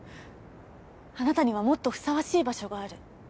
あなたにはもっとふさわしい場所がある。